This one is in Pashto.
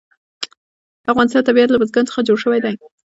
د افغانستان طبیعت له بزګان څخه جوړ شوی دی.